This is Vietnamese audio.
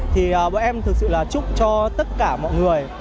thì bọn em thực sự là chúc cho tất cả mọi người